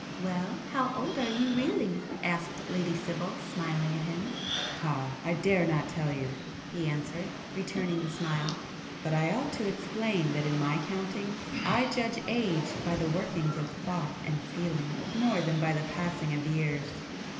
"Well, how old are you really?" asked Lady Sibyl smiling at him. "Ah, I dare not tell you!" he answered, returning the smile; "But I ought to explain that in my countings I judge age by the workings of thought and feeling, more than by the passing of years.